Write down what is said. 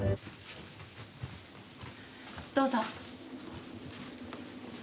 どうぞ。